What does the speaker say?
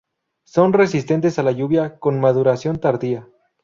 Son resistentes a la lluvia con maduración tardía.